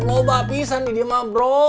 lobak pisah nih dia mah bro